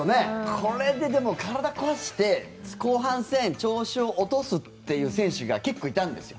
これで体を壊して後半戦調子を落とすという選手が結構いたんですよ。